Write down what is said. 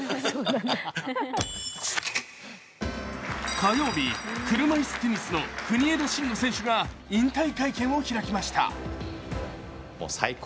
火曜日、車いすテニスの国枝慎吾選手が引退会見を開きました。